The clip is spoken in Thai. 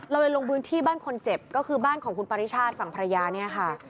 เลยลงพื้นที่บ้านคนเจ็บก็คือบ้านของคุณปริชาติฝั่งภรรยาเนี่ยค่ะ